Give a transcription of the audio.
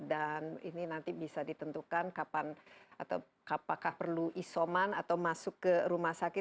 dan ini nanti bisa ditentukan kapan atau apakah perlu isoman atau masuk ke rumah sakit